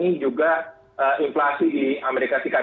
ini juga inflasi di amerika serikat